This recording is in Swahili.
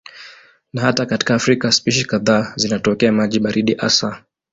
Na hata katika Afrika spishi kadhaa zinatokea maji baridi hasa.